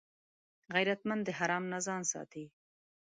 غیرتمند د حرام نه ځان ساتي